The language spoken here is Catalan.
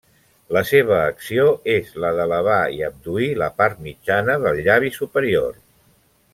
La seva acció és la d'elevar i abduir la part mitjana del llavi superior.